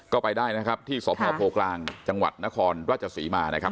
ก็ไปได้นะครับที่สพโพกลางจังหวัดนครราชศรีมานะครับ